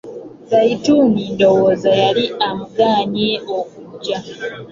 Zaituni ndowooza yali amugaanye okugya.